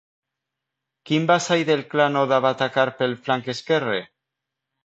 Quin vassall del clan Oda va atacar pel flanc esquerre?